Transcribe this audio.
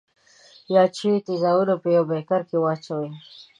یاد شوي تیزاب په یوه بیکر کې واچوئ.